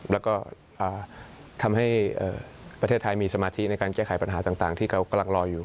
แล้วก็ทำให้ประเทศไทยมีสมาธิในการแก้ไขปัญหาต่างที่เขากำลังรออยู่